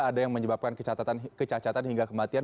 ada yang menyebabkan kecacatan hingga kematian